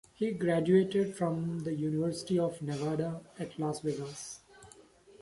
He graduated from the University of Nevada at Las Vegas.